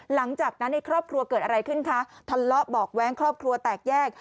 หลังจากนั้นในครอบครัวเกิดอะไรขึ้นคะทะเลาะเบาะแว้งครอบครัวแตกแยก